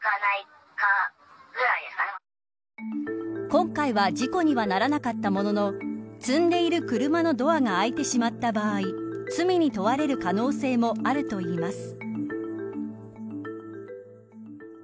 今回は事故にはならなかったものの積んでいる車のドアが開いてしまった場合罪に問われる可能性もあるといいます。